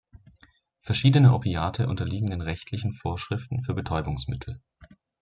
Verschiedene Opiate unterliegen den rechtlichen Vorschriften für Betäubungsmittel.